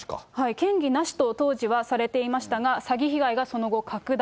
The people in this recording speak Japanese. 嫌疑なしと当時はされていましたが、詐欺被害がその後拡大。